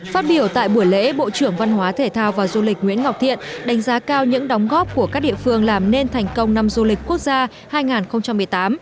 phát biểu tại buổi lễ bộ trưởng văn hóa thể thao và du lịch nguyễn ngọc thiện đánh giá cao những đóng góp của các địa phương làm nên thành công năm du lịch quốc gia hai nghìn một mươi tám